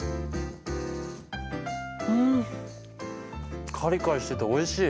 うんカリカリしてておいしい。